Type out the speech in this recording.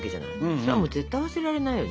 それは絶対忘れられないよね。